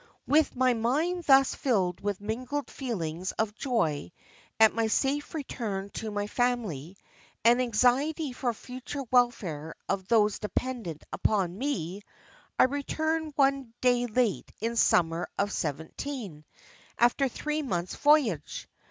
"With my mind thus filled with mingled feelings of joy at my safe return to my family, and anxiety for the future welfare of those dependent upon me, I returned one day late in the summer of 17—, after a three months' voyage.